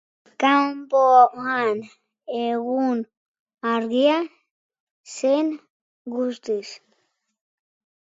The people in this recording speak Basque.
Kanpoan, egun argia zen guztiz.